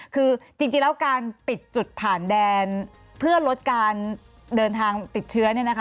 คือจริงแล้วการปิดจุดผ่านแดนเพื่อลดการเดินทางติดเชื้อเนี่ยนะคะ